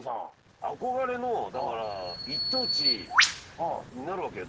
憧れの一等地になるわけよ。